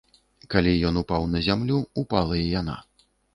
Калі ён упаў на зямлю, упала і яна.